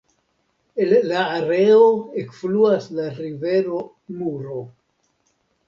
El la areo ekfluas la rivero Muro.